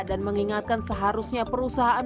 dan mengingatkan seharusnya perusahaan